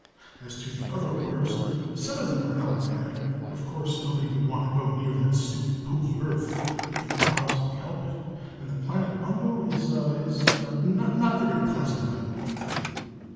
"As to the other orders, some of them are not so bad. Of course, nobody would want to go near that stupid, poky Earth, if he could possibly help it; and the planet Bungo is ah is not a very nice planet, I believe."